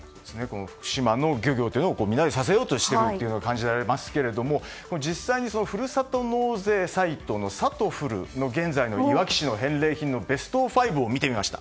福島の漁業をみんなで支えようとしていることが感じられますけれども実際に、ふるさと納税サイトのさとふるの現在のいわき市の返礼品のベスト５を見てみました。